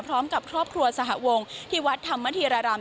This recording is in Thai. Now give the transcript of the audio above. พร้อมกับครอบครัวสหวงที่วัดธรรมธีรราม